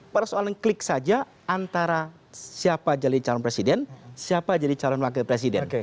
persoalan klik saja antara siapa jadi calon presiden siapa jadi calon wakil presiden